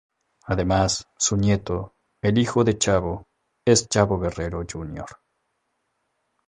Además, su nieto, el hijo de Chavo, es Chavo Guerrero, Jr..